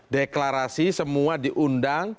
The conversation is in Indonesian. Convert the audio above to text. deklarasi semua diundang